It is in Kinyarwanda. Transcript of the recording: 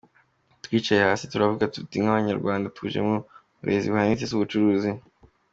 Buri mwaka dushakisha igihugu dushobora gutangiza ibikorwa byacu.